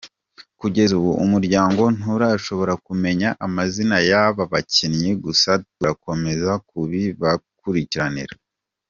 Kugeza ubu, Umuryango nturahobora kumenya amazina y’aba bakinnyi gusa turakomeza kubibakurikiranira.